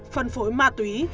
phân phối ma túy